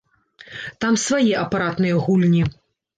Там свае апаратныя гульні.